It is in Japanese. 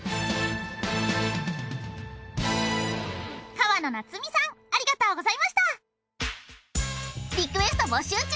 川野夏美さんありがとうございました。